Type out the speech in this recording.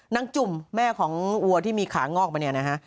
จุ่มแม่ของวัวที่มีขางอกมาเนี่ยนะฮะ